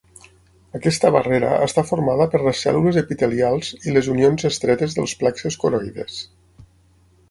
Aquesta barrera està formada per les cèl·lules epitelials i les unions estretes dels plexes coroides.